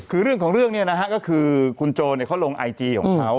คือเรื่องของเรื่องเนี่ยนะฮะก็คือคุณโจเขาลงไอจีของเขา